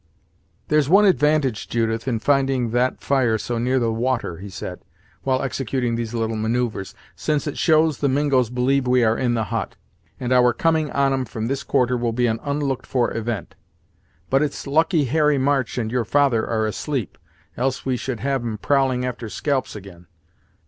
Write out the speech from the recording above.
"There's one advantage, Judith, in finding that fire so near the water," he said, while executing these little manoeuvres, "since it shows the Mingos believe we are in the hut, and our coming on 'em from this quarter will be an unlooked for event. But it's lucky Harry March and your father are asleep, else we should have 'em prowling after scalps ag'in.